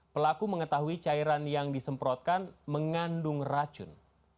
pelaku mengetahui cairan yang disemprotkan mengandung racun